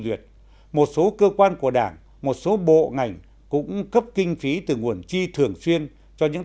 duyệt một số cơ quan của đảng một số bộ ngành cũng cấp kinh phí từ nguồn chi thường xuyên cho những